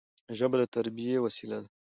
ژبه د تربيي وسیله ده.